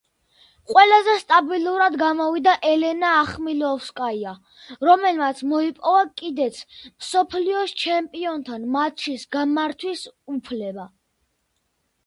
ყველაზე სტაბილურად გამოვიდა ელენა ახმილოვსკაია, რომელმაც მოიპოვა კიდეც მსოფლიოს ჩემპიონთან მატჩის გამართვის უფლება.